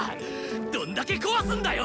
どんだけ壊すんだよ！